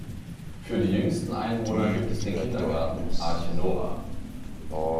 Für die jüngsten Einwohner gibt es den Kindergarten "Arche Noah".